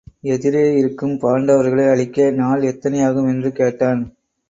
எதிரே இருக்கும் பாண்டவர்களை அழிக்க நாள் எத்தனை ஆகும் என்று கேட்டான்.